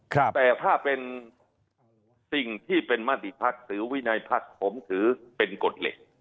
แต่ถ้าเป็นสิ่งที่มัธิพักหรือวินัยพักผมถือเป็นกดเหล็ก